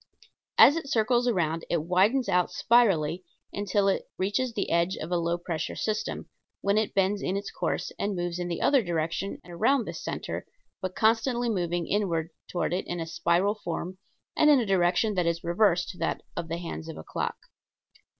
As it circles around it widens out spirally until it reaches the edge of a low pressure system, when it bends in its course and moves in the other direction around this center, but constantly moving inward toward it in a spiral form and in a direction that is reverse to that of the hands of a clock.